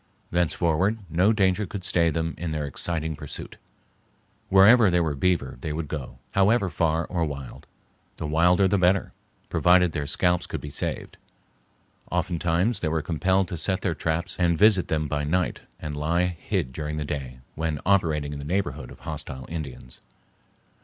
Thenceforward no danger could stay them in their exciting pursuit. Wherever there were beaver they would go, however far or wild,—the wilder the better, provided their scalps could be saved. Oftentimes they were compelled to set their traps and visit them by night and lie hid during the day, when operating in the neighborhood of hostile Indians.